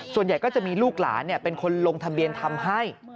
ส่วนใหญ่ก็จะมีลูกหลานเป็นคนลงทะเบียนทำให้